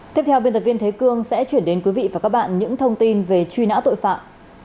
tiếp theo biên tập viên thế cương sẽ chuyển đến quý vị và các bạn những thông tin về truy nã tội phạm